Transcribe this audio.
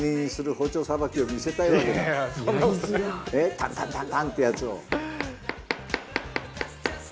タンタンタンタンってやつを。